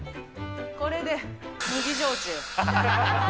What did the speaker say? これで、麦焼酎。